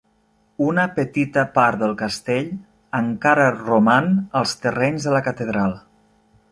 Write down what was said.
Una petita part del castell encara roman als terrenys de la catedral.